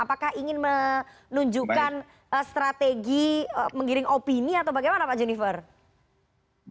apakah pak luhut ingin menunjukkan strategi mengiring opini atau bagaimana pak junifernya